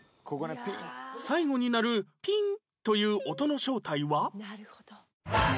最後に鳴る「ピン」という音の正体は